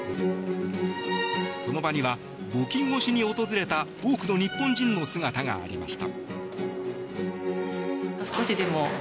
その場には、募金をしに訪れた多くの日本人の姿がありました。